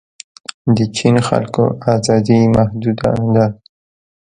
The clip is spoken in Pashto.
د چین خلکو ازادي محدوده ده.